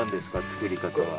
作り方は。